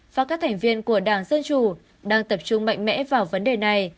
và các thành viên của đảng dân chủ đang tập trung mạnh mẽ vào vấn đề này